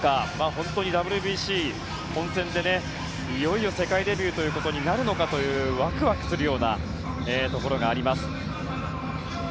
本当にＷＢＣ本戦でいよいよ世界デビューとなるのかというワクワクするようなところがあります。